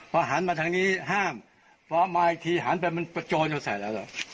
พอหันมาทางนี้ห้ามพอมาอีกทีหันไปมันประโยชน์อยู่ใส่แล้ว